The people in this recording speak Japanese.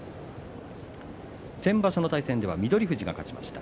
先場所の対戦は翠富士が勝ちました。